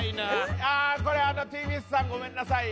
ああこれＴＢＳさんごめんなさい